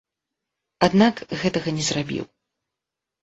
Аднак гэтага не зрабіў.